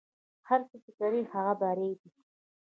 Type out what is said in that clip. هر څه چې کرې هغه به ریبې